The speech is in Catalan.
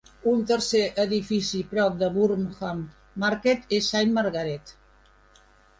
Un tercer edifici prop de Burnham Market és Saint Margaret.